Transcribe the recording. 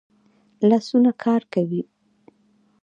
لاسونه کار کوي